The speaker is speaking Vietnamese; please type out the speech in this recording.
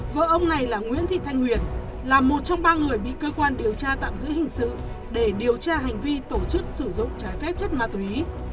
vợ ông này là nguyễn thị thanh huyền là một trong ba người bị cơ quan điều tra tạm giữ hình sự để điều tra hành vi tổ chức sử dụng trái phép chất ma túy